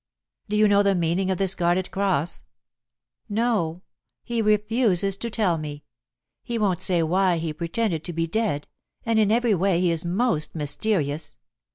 "Do you know the meaning of the Scarlet Cross?" "No; he refuses to tell me. He won't say why he pretended to be dead; and in every way he is most mysterious.